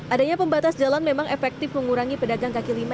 adanya pembatas jalan memang efektif mengurangi pedagang kaki lima